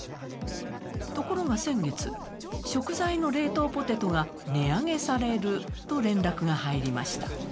ところが先月、食材の冷凍ポテトが値上げされると連絡が入りました。